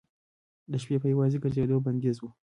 د شپې په یوازې ګرځېدو بندیز و.